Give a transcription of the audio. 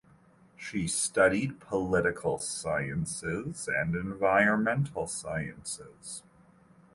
She studied political sciences and environmental sciences.